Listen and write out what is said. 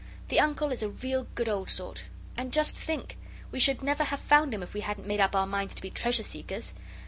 The Uncle is a real good old sort; and just think, we should never have found him if we hadn't made up our minds to be Treasure Seekers!